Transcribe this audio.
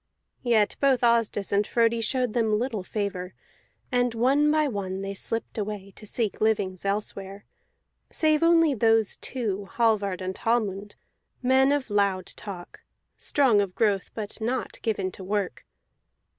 Yet both Asdis and Frodi showed them little favor, and one by one they slipped away to seek livings elsewhere, save only those two, Hallvard and Hallmund, men of loud talk, strong of growth but not given to work.